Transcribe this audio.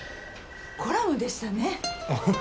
コラムでしたね。